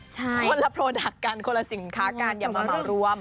คนละโพรดัคกันคนละสินค้ากันอย่ามามันร่วม